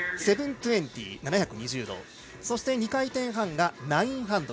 そして、２回転半が９００。